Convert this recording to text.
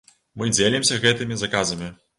Мы дзелімся гэтымі заказамі.